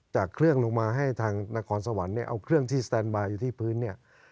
จากเครื่องลงมาให้ทางนครสวรรค์เนี่ยเอาเครื่องที่สแตนบายอยู่ที่พื้นเนี่ย